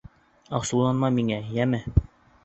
Асыуланма миңә, йәме.